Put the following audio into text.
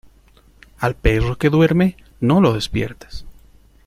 Al perro que duerme, no lo despiertes.